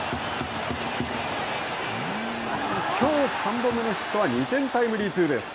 きょう３本目のヒットは２点タイムリーツーベース。